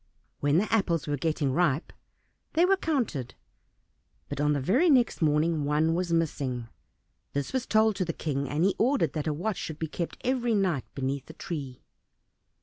When the apples were getting ripe they were counted, but on the very next morning one was missing. This was told to the King, and he ordered that a watch should be kept every night beneath the tree.